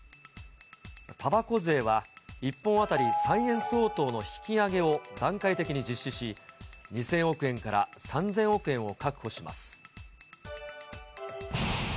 たばこ税は１本当たり３円相当の引き上げを段階的に実施し、２０００億円から３０００億円を確保します。